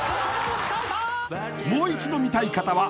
［もう一度見たい方は］